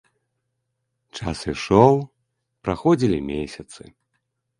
Час ішоў, праходзілі месяцы.